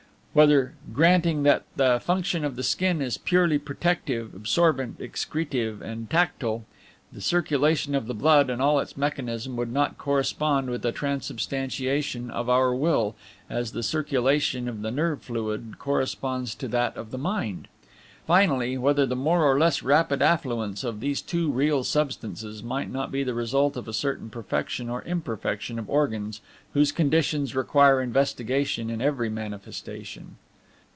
Whether, granting that the function of the skin is purely protective, absorbent, excretive, and tactile, the circulation of the blood and all its mechanism would not correspond with the transsubstantiation of our Will, as the circulation of the nerve fluid corresponds to that of the Mind? Finally, whether the more or less rapid affluence of these two real substances may not be the result of a certain perfection or imperfection of organs whose conditions require investigation in every manifestation?